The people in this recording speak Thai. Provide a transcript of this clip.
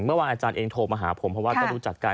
เมื่อวานอาจารย์เองโทรมาหาผมเพราะว่าก็รู้จักกัน